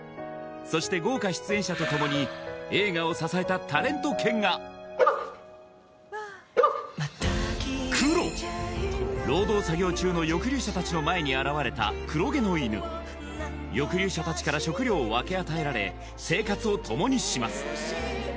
そして豪華出演者とともに労働作業中の抑留者たちの前に現れた黒毛の犬抑留者たちから食料を分け与えられ生活をともにします